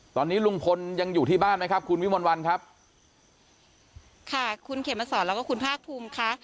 ตอนนี้ลุงพลยังอยู่ที่บ้านไหมครับคุณวิมลวันครับค่ะคุณเขมสอนแล้วก็คุณภาคภูมิค่ะ